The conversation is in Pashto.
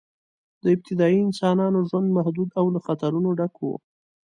د ابتدایي انسانانو ژوند محدود او له خطرونو ډک و.